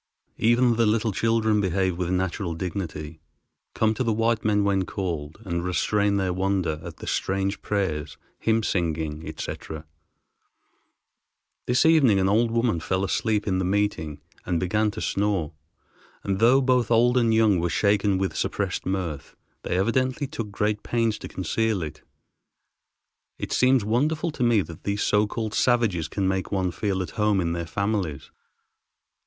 Even the little children behave with natural dignity, come to the white men when called, and restrain their wonder at the strange prayers, hymn singing, etc. This evening an old woman fell asleep in the meeting and began to snore; and though both old and young were shaken with suppressed mirth, they evidently took great pains to conceal it. It seems wonderful to me that these so called savages can make one feel at home in their families.